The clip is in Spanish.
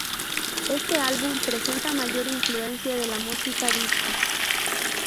Este álbum presenta mayor influencia de la música disco.